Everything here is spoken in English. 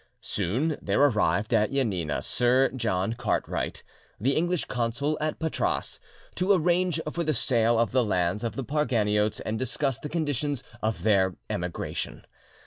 Soon there arrived at Janine Sir John Cartwright, the English Consul at Patras, to arrange for the sale of the lands of the Parganiotes and discuss the conditions of their emigration.